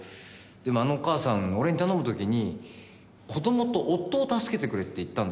でもあのお母さん俺に頼む時に子供と夫を助けてくれって言ったんです。